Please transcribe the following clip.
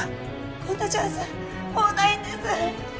こんなチャンスもうないんです